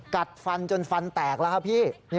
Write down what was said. กัดฟันจนฟันแตกแล้วครับพี่